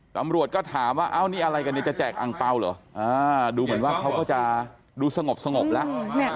ตำรวจก็ถามว่าเอ้านี่อะไรกันเนี่ยจะแจกอังเปล่าเหรอดูเหมือนว่าเขาก็จะดูสงบแล้ว